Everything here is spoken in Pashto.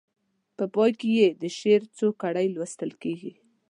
په پای کې یې د شعر څو کړۍ لوستل کیږي.